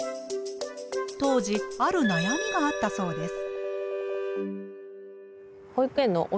当時あるなやみがあったそうです。